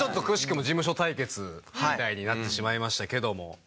くしくも事務所対決みたいになってしまいましたけども。